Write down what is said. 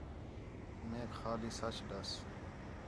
میک خالی سچ ݙس